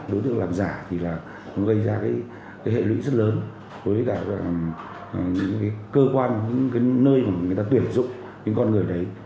đối tượng làm giả thì là nó gây ra cái hệ lụy rất lớn với cả những cái cơ quan những cái nơi mà người ta tuyển dụng những con người đấy